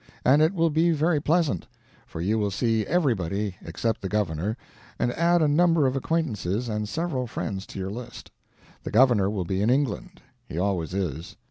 And it will be very pleasant; for you will see everybody except the Governor, and add a number of acquaintances and several friends to your list. The Governor will be in England. He always is.